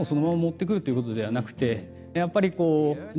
やっぱりこう。